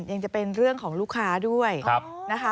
ยังจะเป็นเรื่องของลูกค้าด้วยนะคะ